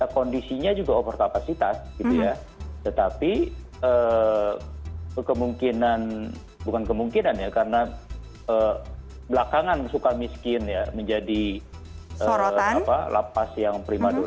kondisinya juga overkapasitas gitu ya tetapi kemungkinan bukan kemungkinan ya karena belakangan sukan miskin ya menjadi lepas yang primaduna